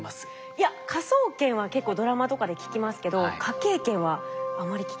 いや科捜研は結構ドラマとかで聞きますけど科警研はあまり聞きなじみないですね。